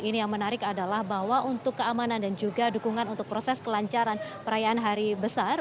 ini yang menarik adalah bahwa untuk keamanan dan juga dukungan untuk proses kelancaran perayaan hari besar